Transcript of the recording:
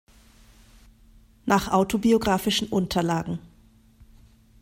Nach autobiographischen Unterlagen".